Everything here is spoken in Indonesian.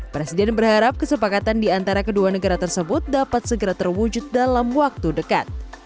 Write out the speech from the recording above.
presiden berharap kesepakatan di antara kedua negara tersebut dapat segera terwujud dalam waktu dekat